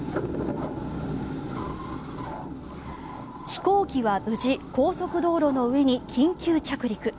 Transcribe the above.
飛行機は無事高速道路の上に緊急着陸。